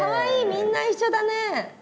みんな一緒だね！